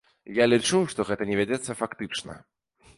Я лічу, што гэтага не вядзецца фактычна.